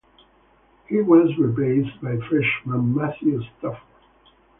He was replaced by freshman Matthew Stafford.